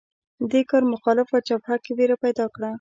دې کار مخالفه جبهه کې وېره پیدا کړه